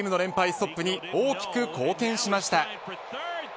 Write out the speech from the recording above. ストップに大きく貢献しました。